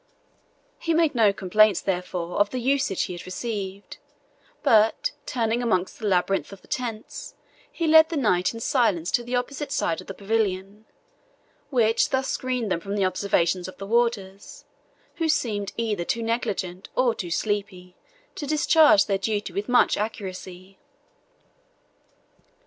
He made no complaints, therefore, of the usage he had received; but, turning amongst the labyrinth of tents, he led the knight in silence to the opposite side of the pavilion, which thus screened them from the observation of the warders, who seemed either too negligent or too sleepy to discharge their duty with much accuracy.